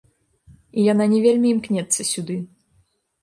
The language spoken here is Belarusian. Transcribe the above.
І яна не вельмі імкнецца сюды.